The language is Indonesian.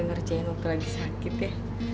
ngerjain waktu lagi sakit ya